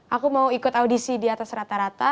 aku mau ikut audisi di atas rata rata